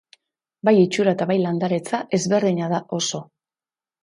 Bai itxura eta bai landaretza ezberdina da oso.